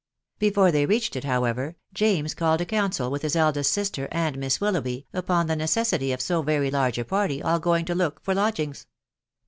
Before they reached it, however, James called a council with his eldest sister .and Miss Willoughby, upon the necessity of so very large a party aH going to kok for lodgings.